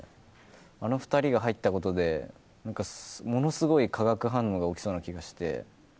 あの２人が入ったことで、なんかものすごい化学反応が起きそうな気がして。